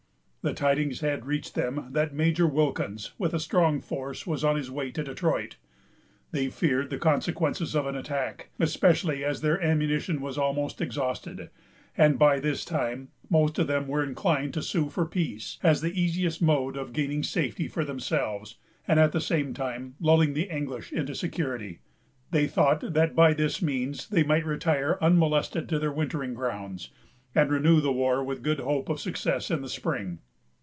The tidings had reached them that Major Wilkins, with a strong force, was on his way to Detroit. They feared the consequences of an attack, especially as their ammunition was almost exhausted; and, by this time, most of them were inclined to sue for peace, as the easiest mode of gaining safety for themselves, and at the same time lulling the English into security. They thought that by this means they might retire unmolested to their wintering grounds, and renew the war with good hope of success in the spring.